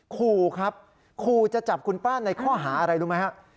ขู่ครับขู่จะจับคุณป้าในข้อหาอะไรรู้ไหมฮะ